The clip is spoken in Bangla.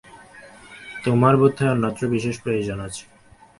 তোমার বোধ হয় অন্যত্র বিশেষ প্রয়োজন আছে।